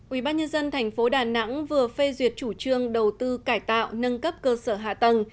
ubnd tp đà nẵng vừa phê duyệt chủ trương đầu tư cải tạo nâng cấp cơ sở hạ tầng